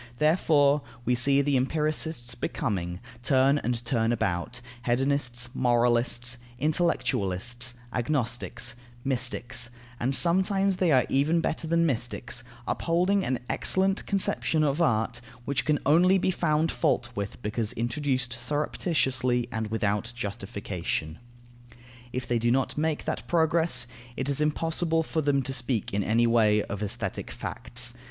Therefore, we see the empiricists becoming, turn and turn about, hedonists, moralists, intellectualists, agnostics, mystics, and sometimes they are even better than mystics, upholding an excellent conception of art, which can only be found fault with because introduced surreptitiously and without justification. If they do not make that progress, it is impossible for them to speak in any way of aesthetic facts.